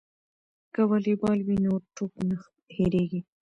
که والیبال وي نو ټوپ نه هیریږي.